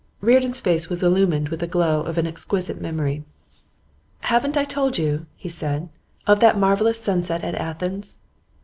Reardon's face was illumined with the glow of an exquisite memory. 'Haven't I told you,' he said, 'of that marvellous sunset at Athens?